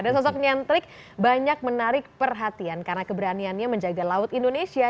dan sosoknya yang trik banyak menarik perhatian karena keberaniannya menjaga laut indonesia